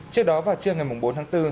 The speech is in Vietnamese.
trước đó vào trưa ngày bốn tháng bốn